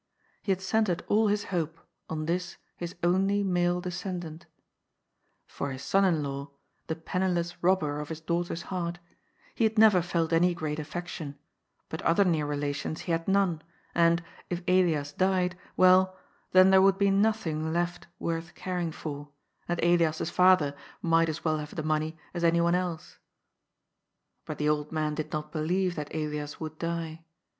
He had centred all his hope on this his only male descendant For his son in law, the penniless robber of his daughter's heart, he had never felt any very great affection, but other near relations he had nonCj and, if Elias died, well, then there would be nothing left worth caring for, and Elias's father might as well have the money as anyone else. But the old man did not believe that Elias would die.